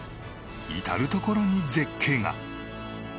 至る所に絶景が。